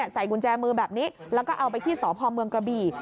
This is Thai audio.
ใส่กุญแจมือแบบนี้แล้วก็เอาไปที่สพเมืองกระบี่